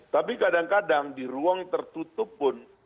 tapi kadang kadang di ruang tertutup pun